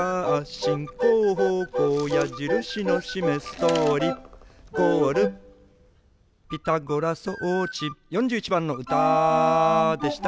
「しんこうほうこうやじるしのしめすとおり」「ゴール」「ピタゴラそうち４１ばんのうたでした」